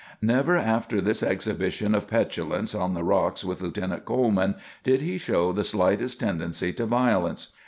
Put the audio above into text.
Never after this exhibition of petulance on the rocks with Lieutenant Coleman did he show the slightest tendency to violence.